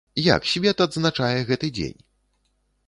Як свет адзначае гэты дзень?